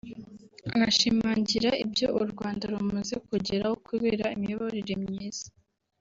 anashimangira ibyo u Rwanda rumaze kugeraho kubera imiyoborere myiza